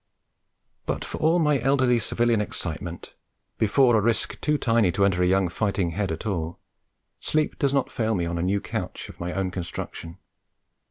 But for all my elderly civilian excitement, before a risk too tiny to enter a young fighting head at all, sleep does not fail me on a new couch of my own construction.